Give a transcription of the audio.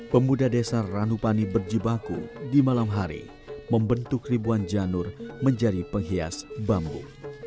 pemuda desa ranupani berjibaku di malam hari membentuk ribuan janur menjadi penghias bambu